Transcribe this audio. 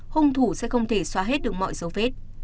hung thủ sẽ không thể xóa hết được mọi dấu vết